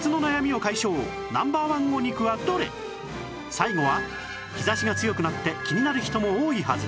最後は日差しが強くなって気になる人も多いはず